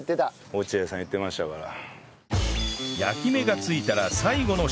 落合さん言ってましたから。